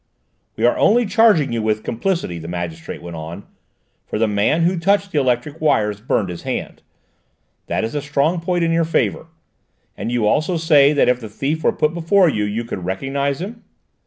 "We are only charging you with complicity," the magistrate went on, "for the man who touched the electric wires burned his hand; that is a strong point in your favour. And you also say that if the thief were put before you, you could recognise him?"